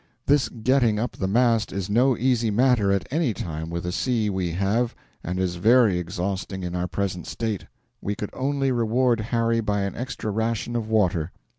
This getting up the mast is no easy matter at any time with the sea we have, and is very exhausting in our present state. We could only reward Harry by an extra ration of water.